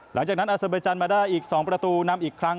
หลังจากนั้นอาเซอร์เบอร์จันมาได้อีก๒ประตูนำอีกครั้ง